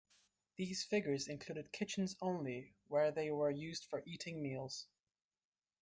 These figures included kitchens only where they were used for eating meals.